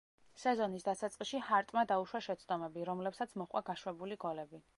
სეზონის დასაწყისში ჰარტმა დაუშვა შეცდომები, რომლებსაც მოჰყვა გაშვებული გოლები.